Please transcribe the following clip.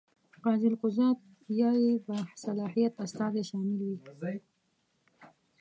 قاضي القضات یا یې باصلاحیت استازی شامل وي.